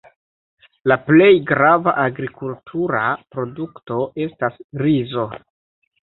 La plej grava agrikultura produkto estas rizo.